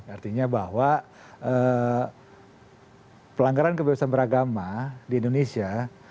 artinya bahwa pelanggaran kebebasan beragama di indonesia